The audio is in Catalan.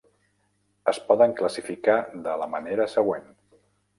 Es poden classificar de la manera següent.